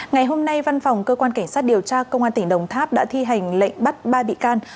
ngày hôm nay văn phòng cơ quan cảnh sát điều tra công an tỉnh đồng tháp đã thi hành lệnh bắt ba bị can